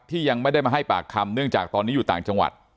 ยังไม่ได้มาให้ปากคำเนื่องจากตอนนี้อยู่ต่างจังหวัด